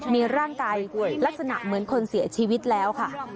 มีร่างกายลักษณะเหมือนคนเสียชีวิตแล้วค่ะ